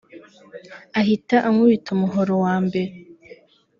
ahita ankubita umuhoro wa mbere